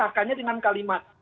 patahkannya dengan kalimat